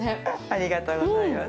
ありがとうございます。